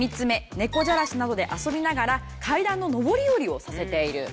猫じゃらしなどで遊びながら階段の上り下りをさせている。